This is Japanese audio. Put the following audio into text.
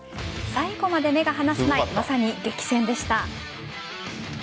最後まで目が離せないまさに激戦でした。